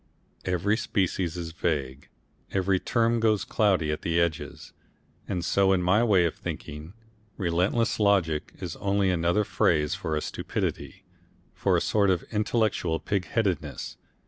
Every species is vague, every term goes cloudy at its edges, and so in my way of thinking, relentless logic is only another phrase for a stupidity, for a sort of intellectual pigheadedness.